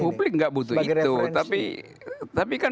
publik nggak butuh itu tapi kan